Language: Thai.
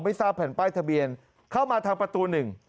ไม่ทราบแผ่นป้ายทะเบียนเข้ามาทางประตู๑